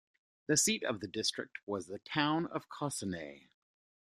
The seat of the district was the town of Cossonay.